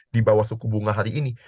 di bawah suku bunga hari ini